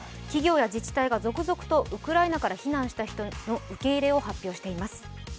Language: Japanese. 企業や自治体が続々とウクライナから避難した人の受け入れを発表しています。